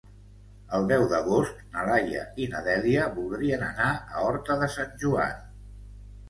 El deu d'agost na Laia i na Dèlia voldrien anar a Horta de Sant Joan.